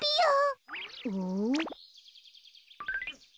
うん？